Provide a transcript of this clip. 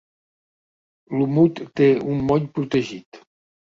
Lumut té un moll protegit.